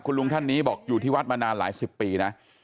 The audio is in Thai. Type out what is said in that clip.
ลุงท่านนี้บอกอยู่ที่วัดมานานหลายสิบปีนะ